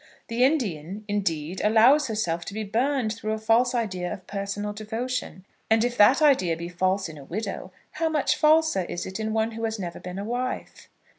The Indian, indeed, allows herself to be burned through a false idea of personal devotion; and if that idea be false in a widow, how much falser is it in one who has never been a wife.